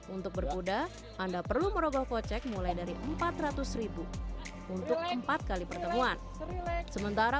untuk berkuda anda perlu merogoh kocek mulai dari empat ratus untuk empat kali pertemuan sementara